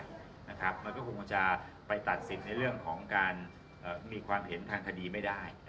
มันก็คงจะไปตัดสิทธิ์ในเรื่องของการมีความเห็นทางคดีไม่ได้